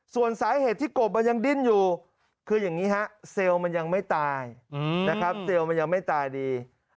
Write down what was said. ส่วนสาเหตุที่กบมันยังดิ้นอยู่คืออย่างนี้ฮะเซลล์มันยังไม่ตายนะครับเซลล์มันยังไม่ตายดี